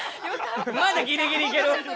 まだギリギリいける？